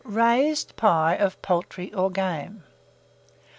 RAISED PIE OF POULTRY OR GAME.